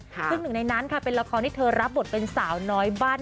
ซึ่งหนึ่งในนั้นค่ะเป็นละครที่เธอรับบทเป็นสาวน้อยบ้าน